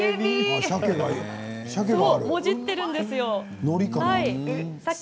もじっているんですよね。